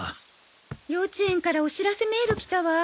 幼稚園からお知らせメール来たわ。